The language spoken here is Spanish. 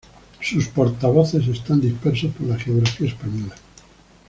Sus portavoces están dispersos por la geografía española.